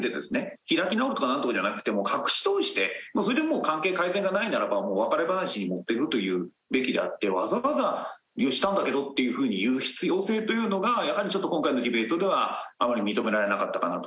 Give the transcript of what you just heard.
開き直るとかなんとかじゃなくてもう隠し通してそれでもう関係改善がないならばもう別れ話に持っていくというべきであってわざわざ「したんだけど」っていうふうに言う必要性というのがやはり今回のディベートではあまり認められなかったかなと。